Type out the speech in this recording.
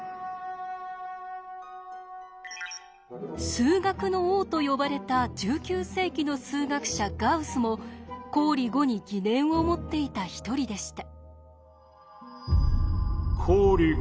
数学の王と呼ばれた１９世紀の数学者ガウスも公理５に疑念を持っていた一人でした。